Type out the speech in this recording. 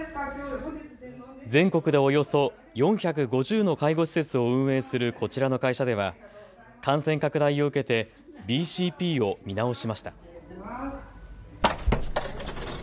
全国でおよそ４５０の介護施設を運営するこちらの会社では感染拡大を受けてＢＣＰを見直しました。